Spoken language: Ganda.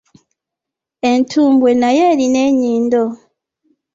Entumbwe nayo erina ennyindo?